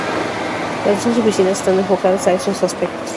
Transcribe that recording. Las dos oficinas están enfocadas a esos aspectos.